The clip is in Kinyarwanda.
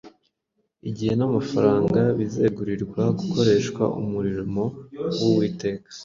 Igihe n’amafaranga bizegurirwa gukoreshwa umurimo w’Uwiteka